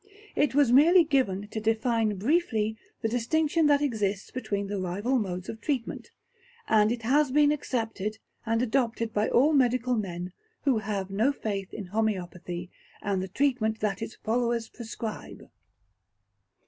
It was merely given to define briefly the distinction that exists between the rival modes of treatment, and it has been accepted and adopted by all medical men who have no faith in homoeopathy, and the treatment that its followers prescribe.